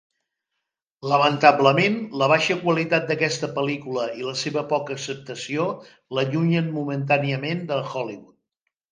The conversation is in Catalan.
Lamentablement, la baixa qualitat d'aquesta pel·lícula i la seva poca acceptació l'allunyen momentàniament de Hollywood.